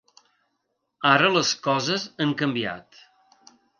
Ara les coses han canviat.